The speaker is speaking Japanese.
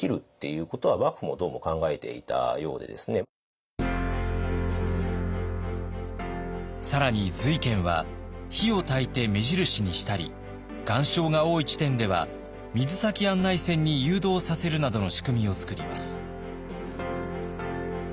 調整力というか更に瑞賢は火をたいて目印にしたり岩礁が多い地点では水先案内船に誘導させるなどの仕組みを作ります。